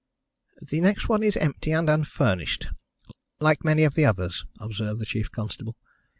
"The next one is empty and unfurnished, like many of the others," observed the chief constable.